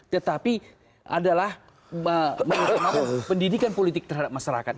tetapi adalah pendidikan politik terhadap masyarakat